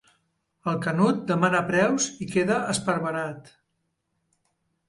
El Canut demana preus i queda esparverat.